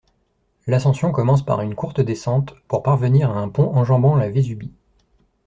L’ascension commence par une courte descente pour parvenir à un pont enjambant la Vésubie.